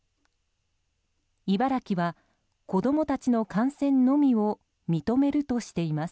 茨城は子供たちの観戦のみを認めるとしています。